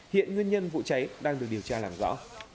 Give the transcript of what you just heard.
hiện nguyên nhân vụ cháy đang được điều tra làm rõ